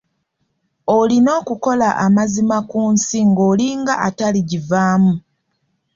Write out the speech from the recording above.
Olina okukola amazima ku nsi ng'olinga ataligivaamu.